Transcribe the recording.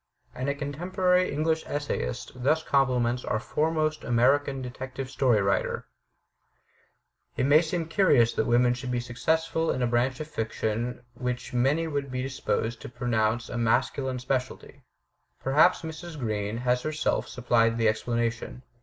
And a contemporary English essayist thus compliments our foremost American detective story writer: It may seem curious that women should be successful in a branch of fiction which many would be disposed to pro nounce a masculine specialty. Perhaps Mrs. Green has herself supplied the explanation.